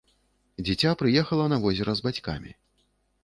Дзіця прыехала на возера з бацькамі.